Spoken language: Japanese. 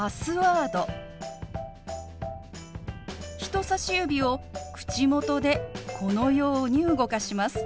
人さし指を口元でこのように動かします。